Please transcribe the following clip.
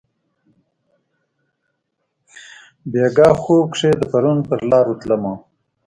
بیګاه خوب کښي د پرون پرلارو تلمه